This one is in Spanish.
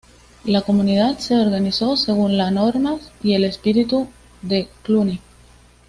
La comunidad se organizó según las normas y el espíritu de Cluny.